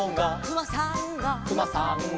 「くまさんが」